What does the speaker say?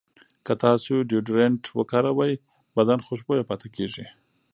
که تاسو ډیوډرنټ وکاروئ، بدن خوشبویه پاتې کېږي.